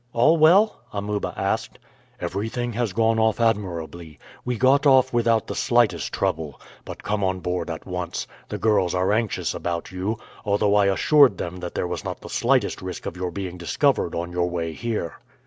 "All well?" Amuba asked. "Everything has gone off admirably. We got off without the slightest trouble. But come on board at once; the girls are anxious about you, although I assured them that there was not the slightest risk of your being discovered on your way here."